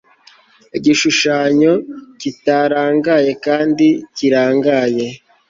Igishushanyo kitarangaye kandi kirangaye